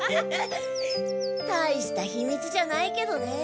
たいした秘密じゃないけどね。